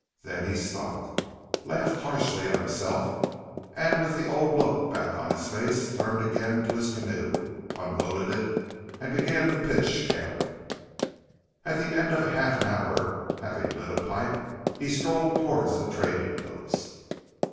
Then he stopped, laughed harshly at himself, and with the old look back on his face, turned again to his canoe, unloaded it, and began to pitch camp. At the end of half an hour, having lit a pipe, he strolled towards the trading post.